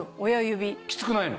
きつくないの？